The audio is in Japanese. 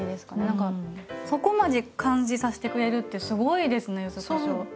何かそこまで感じさせてくれるってすごいですね柚子こしょう。